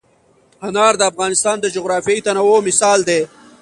انار د افغانستان د جغرافیوي تنوع مثال دی.